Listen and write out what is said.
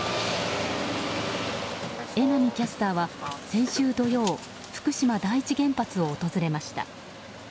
榎並キャスターは先週土曜福島第一原発を訪れました。